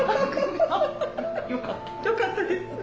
よかったです。